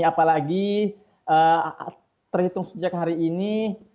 apalagi terhitung sejak hari ini